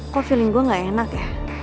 kok feeling gue gak enak ya